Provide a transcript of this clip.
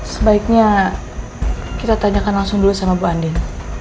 sebaiknya kita tanyakan langsung dulu sama bu andin